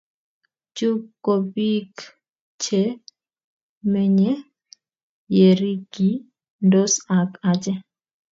Chu kopik che mennye yerikindos ak achek.